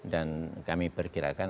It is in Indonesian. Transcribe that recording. dan kami perkirakan